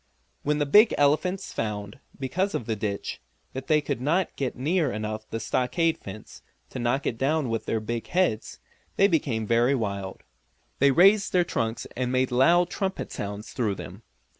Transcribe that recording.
When the big elephants found, because of the ditch, that they could not get near enough the stockade fence to knock it down with their big heads, they became very wild. They raised their trunks and made loud trumpet sounds through them.